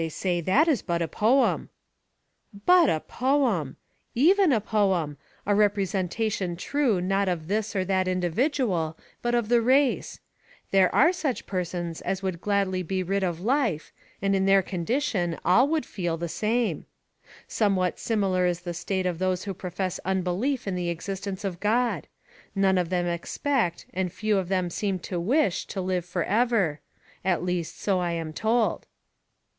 "They say that is but a poem." "BUT a poem! EVEN a poem a representation true not of this or that individual, but of the race! There ARE such persons as would gladly be rid of life, and in their condition all would feel the same. Somewhat similar is the state of those who profess unbelief in the existence of God: none of them expect, and few of them seem to wish to live for ever! At least, so I am told."